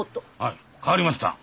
代わりました。